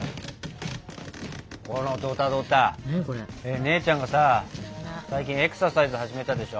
姉ちゃんがさ最近エクササイズ始めたでしょ？